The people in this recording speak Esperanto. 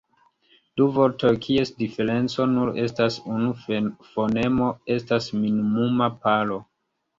Du vortoj kies diferenco nur estas unu fonemo estas minimuma paro.